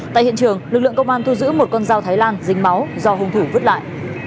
tại hiện trường lực lượng công an thu giữ một con dao thái lan dính máu do hung thủ vứt lại